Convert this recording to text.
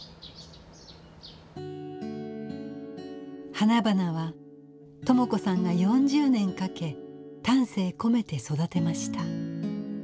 花々は朋子さんが４０年かけ丹精込めて育てました。